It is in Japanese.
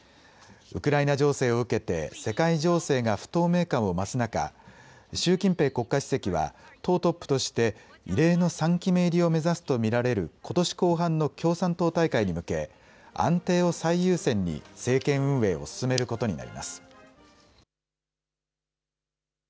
ウクライナ情勢を受けて世界情勢が不透明感を増す中、習近平国家主席は党トップとして異例の３期目入りを目指すと見られることし後半の共産党大会に向け安定を最優先に政権運営を進めることになります。